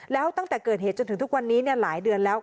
แล้วตั้งแต่เกิดเหตุจนถึงทุกวันนี้หลายเดือนแล้ว